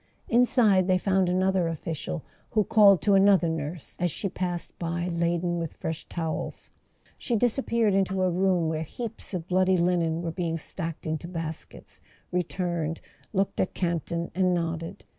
Inside they found another official, who called to another nurse as she passed by laden with fresh towels. She disappeared into a room where heaps of bloody linen were being stacked into baskets, returned, looked at Campton and nodded.